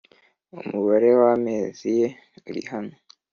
Umubare w amezi ye uri hano